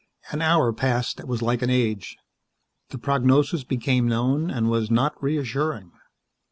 An hour passed that was like an age. The prognosis became known and was not reassuring.